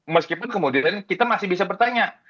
meskipun kemudian kita masih bisa bertanya